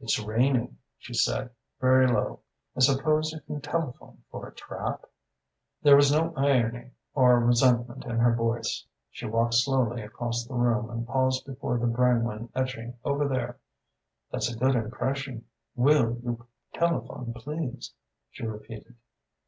"'It's raining,' she said, very low. 'I suppose you can telephone for a trap?' "There was no irony or resentment in her voice. She walked slowly across the room and paused before the Brangwyn etching over there. 'That's a good impression. Will you telephone, please?' she repeated.